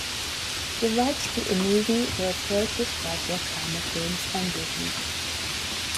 The rights to a movie were purchased by Bruckheimer Films and Disney.